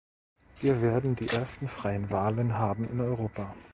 Wir werden die ersten freien Wahlen haben in Europa.